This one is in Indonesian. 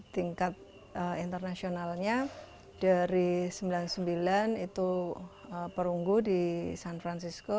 tingkat internasionalnya dari seribu sembilan ratus sembilan puluh sembilan itu perunggu di san francisco